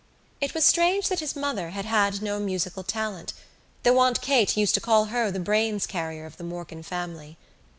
It was strange that his mother had had no musical talent though Aunt Kate used to call her the brains carrier of the Morkan family.